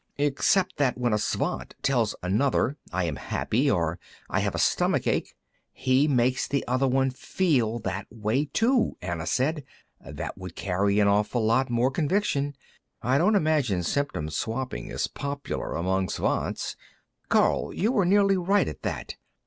"Except that when a Svant tells another, 'I am happy,' or 'I have a stomach ache,' he makes the other one feel that way too," Anna said. "That would carry an awful lot more conviction. I don't imagine symptom swapping is popular among Svants. Karl! You were nearly right, at that.